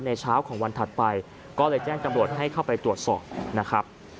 เช้าของวันถัดไปก็เลยแจ้งจำรวจให้เข้าไปตรวจสอบนะครับ